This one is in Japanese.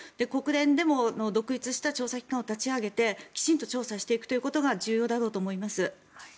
国連でも独立した調査機関を立ち上げてきちんと調査していくことが重要だろうと思います。